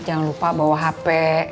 jangan lupa bawa hp